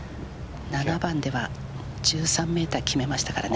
７番では１３ｍ決めましたから。